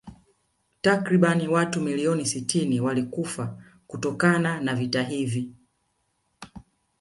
Takriban watu milioni sitini walikufa kutokana na vita hivi